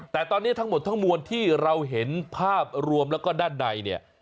แต่ตอนนี้ทั้งหมดทั้งมวลที่เราเห็นภาพรวมแล้วก็ด้านในเนี่ย